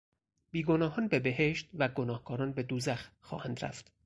بیگناهان به بهشت و گناهکاران به دوزخ خواهند رفت.